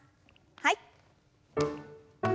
はい。